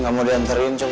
gak mau dianterin coba